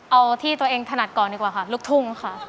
เอาที่ตัวเองถนัดก่อนดีกว่าค่ะลูกทุ่งค่ะ